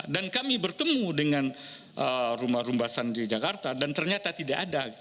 dan kami bertemu dengan rumah rumah sandi jakarta dan ternyata tidak ada